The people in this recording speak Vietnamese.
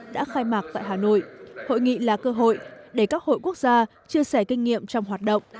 đã khai mạc tại hà nội hội nghị là cơ hội để các hội quốc gia chia sẻ kinh nghiệm trong hoạt động